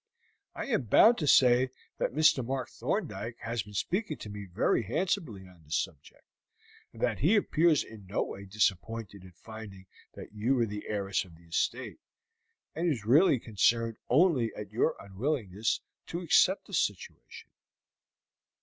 I am bound to say that Mr. Mark Thorndyke has been speaking to me very handsomely on the subject, and that he appears in no way disappointed at finding that you are the heiress of the estate, and is really concerned only at your unwillingness to accept the situation."